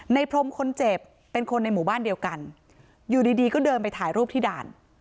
พรมคนเจ็บเป็นคนในหมู่บ้านเดียวกันอยู่ดีดีก็เดินไปถ่ายรูปที่ด่าน